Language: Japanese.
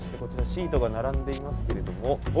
シートが並んでいますけれども。